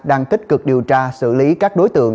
đang tích cực điều tra xử lý các đối tượng